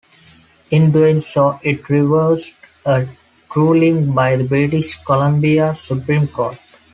In doing so, it reversed a ruling by the British Columbia Supreme Court.